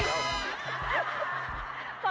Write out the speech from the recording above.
ครับแล้วหยุดคิดทำไมเขา